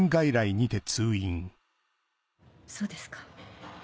そうですか。